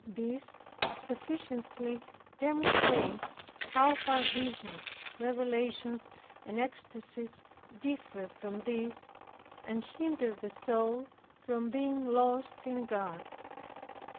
This sufficiently demonstrates how far visions, revelations and ecstasies, differ from this, and hinder the soul from being lost in God.